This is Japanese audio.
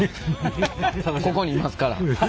ここにいますから。